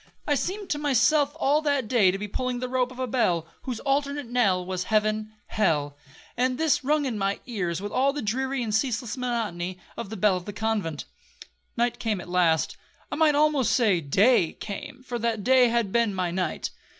I seemed to myself all that day to be pulling the rope of a bell, whose alternate knell was heaven—hell, and this rung in my ears with all the dreary and ceaseless monotony of the bell of the convent. Night came at last. I might almost say day came, for that day had been my night.